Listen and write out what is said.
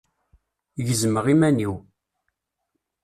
Gezmeɣ iman-iw.